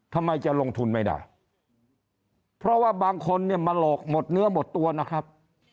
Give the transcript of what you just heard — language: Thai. ทำไมจะลงทุนไม่ได้เพราะว่าบางคนเนี่ยมาหลอกหมดเนื้อหมดตัวนะครับ